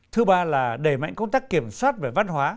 thứ ba là đẩy mạnh công tác kiểm soát về văn hóa